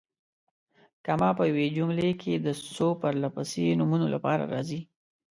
کامه په یوې جملې کې د څو پرله پسې نومونو لپاره راځي.